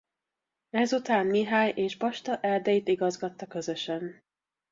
Ezután Mihály és Basta Erdélyt igazgatta közösen.